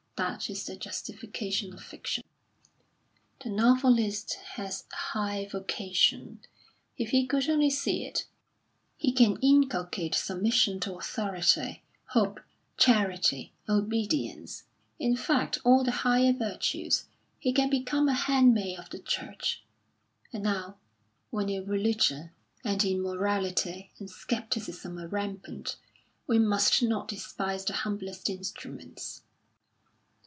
That is the justification of fiction. The novelist has a high vocation, if he could only see it; he can inculcate submission to authority, hope, charity, obedience in fact, all the higher virtues; he can become a handmaid of the Church. And now, when irreligion, and immorality, and scepticism are rampant, we must not despise the humblest instruments."